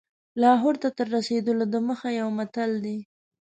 لاهور ته تر رسېدلو دمخه یو متل دی.